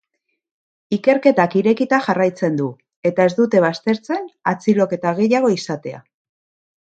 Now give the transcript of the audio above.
Ikerketak irekita jarraitzen du eta ez dute baztertzen atxiloketa gehiago izatea.